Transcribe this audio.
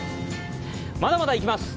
まだまだ行きます。